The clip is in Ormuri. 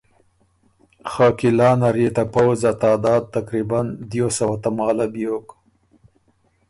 خه قلعه نر يې ته پؤځ ا تعداد تقریباً دیو سوه تماله بیوک